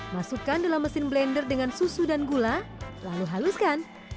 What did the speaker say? masukkan dalam mesin blender dengan susu dan gula lalu haluskan